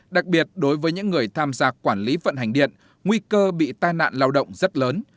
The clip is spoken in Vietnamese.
đặc biệt đối với những người tham gia quản lý vận hành điện nguy cơ bị tai nạn lao động rất lớn